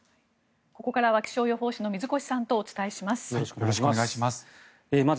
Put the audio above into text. ここからは気象予報士の水越さんとお伝えします。